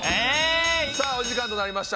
さあお時間となりました。